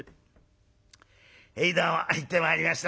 へいどうも行ってまいりました」。